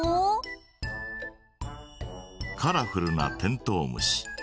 カラフルなテントウムシ。